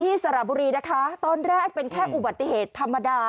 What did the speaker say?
สระบุรีนะคะตอนแรกเป็นแค่อุบัติเหตุธรรมดา